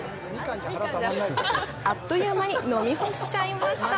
あっという間に飲み干しちゃいました。